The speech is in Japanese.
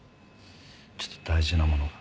ちょっと大事なものが。